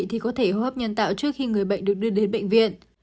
thì có thể hô hấp nhân tạo trước khi người bệnh được đưa đến bệnh viện